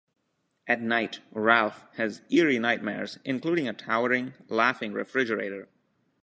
At night, Ralph has eerie nightmares, including a towering, laughing refrigerator.